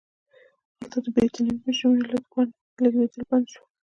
هلته د برېټانوي مجرمینو لېږدېدل بند شول.